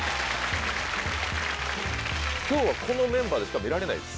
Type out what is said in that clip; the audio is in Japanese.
今日はこのメンバーでしか見られない。